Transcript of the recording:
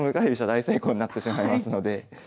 大成功になってしまいますので。